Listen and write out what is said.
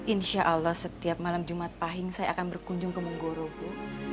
insya allah setiap malam jumat pahing saya akan berkunjung ke munggoroku